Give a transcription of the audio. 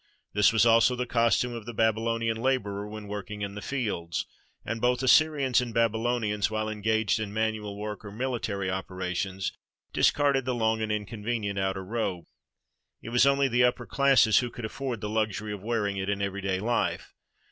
This was also the costume of the Babylonian laborer when working in the fields, and both Assyrians and Babylonians, while engaged in man ual work or military operations, discarded the long and inconvenient outer robe. It was only the upper classes who could afford the luxury of wearing it in everyday Ufe.